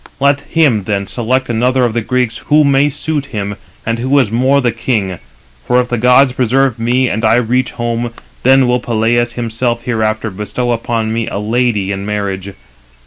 Let him then select another of the Greeks who may suit him, and who is more the king; for if the gods preserve me, and I reach home, then will Peleus himself hereafter bestow upon me a lady in marriage.